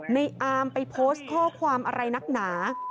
ในอามไปโพสต์ข้อความอะไรนักหนา